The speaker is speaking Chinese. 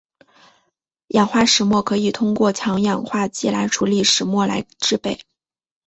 氧化石墨可以通过用强氧化剂来处理石墨来制备。